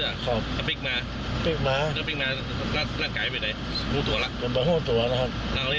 แล้วเขามามาหัดหัดหัวหัดของมันไปไหนอ๋อไม่ทำวันนะครับ